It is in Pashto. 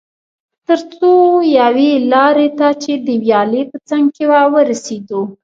تر څو یوې لارې ته چې د ویالې په څنګ کې وه ورسېدو.